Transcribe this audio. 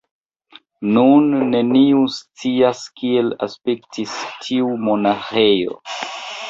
Nun neniu scias kiel aspektis tiu monaĥejo.